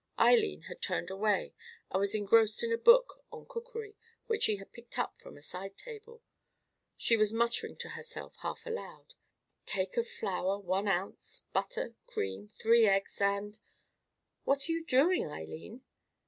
Eileen had turned away and was engrossed in a book on cookery which she had picked up from a side table. She was muttering to herself half aloud: "Take of flour one ounce, butter, cream, three eggs, and——" "What are you doing, Eileen?"